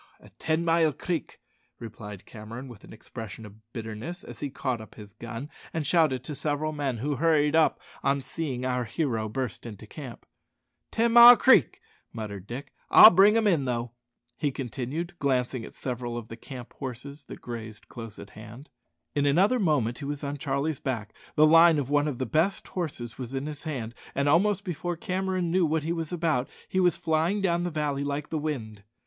"At Ten mile Creek," replied Cameron with an expression of bitterness, as he caught up his gun and shouted to several men, who hurried up on seeing our hero burst into camp. "Ten mile Creek!" muttered Dick. "I'll bring 'em in, though," he continued, glancing at several of the camp horses that grazed close at hand. In another moment he was on Charlie's back, the line of one of the best horses was in his hand, and almost before Cameron knew what he was about he was flying down the valley like the wind.